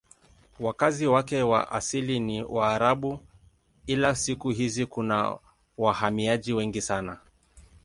Wakazi wake wa asili ni Waarabu ila siku hizi kuna wahamiaji wengi sana.